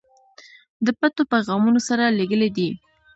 د پټو پیغامونو سره لېږلی دي.